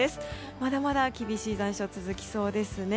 まだまだ厳しい残暑が続きそうです。